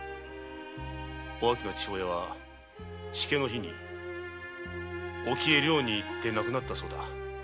おあきの父親は先月時化の日に沖へ漁に行って亡くなったそうだ。